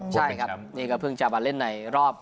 ใช่ครับนี่ก็เพิ่งจะมาเล่นในรอบ